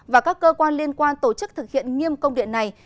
và các cơ quan liên quan tổ chức thực hiện nghiêm công điện này